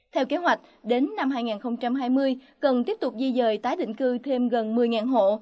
theo kế hoạch đến năm hai nghìn hai mươi cần tiếp tục di dời tái định cư thêm gần một mươi hộ